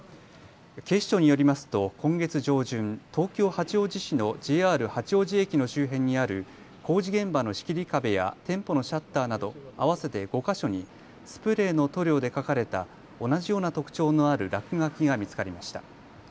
警視庁によりますと今月上旬、東京八王子市のＪＲ八王子駅の周辺にある工事現場の仕切り壁や店舗のシャッターなど合わせて５か所にスプレーの塗料で書かれた同じような特徴のある落書きが見つかりました。